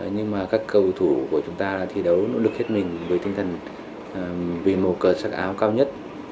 nhưng mà các cầu thủ của chúng ta đã thi đấu nỗ lực hết mình với tinh thần vì mầu cờ sắc áo cao nhất